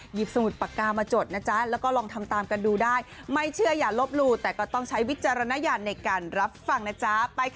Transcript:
สมุดปากกามาจดนะจ๊ะแล้วก็ลองทำตามกันดูได้ไม่เชื่ออย่าลบหลู่แต่ก็ต้องใช้วิจารณญาณในการรับฟังนะจ๊ะ